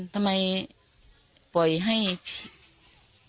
ทำไมปล่อยให้พี่ต่ำหนึ่งโดนอุ้ม